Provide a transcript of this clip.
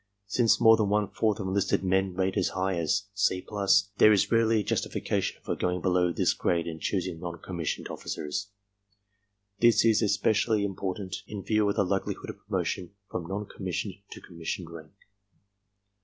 Since more than one fourth of enlisted men rate as high as "C+," there is rarely justification for going below this grade in choosing non commissioned officers. This is especially im portant in view of the likelihood of promotion from non com missioned to commissioned rank.